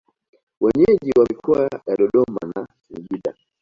Wenyeji wa mikoa ya Dodoma na Singida